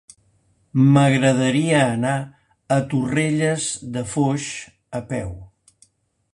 M'agradaria anar a Torrelles de Foix a peu.